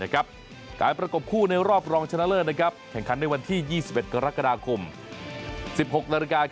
การประกบคู่ในรอบรองชนะเลิศแข่งขันในวันที่๒๑กรกฎาคม๑๖นาฬิกา